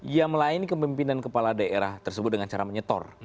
yang melayani kepimpinan kepala daerah tersebut dengan cara menyetor